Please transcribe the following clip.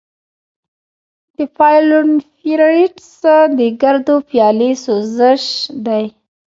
د پايلونیفریټس د ګردو پیالې سوزش دی.